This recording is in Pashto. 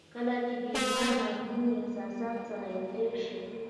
کله چې د ايمان او مينې احساسات سره يو ځای شي.